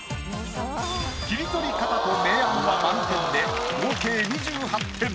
切り取り方と明暗が満点で合計２８点。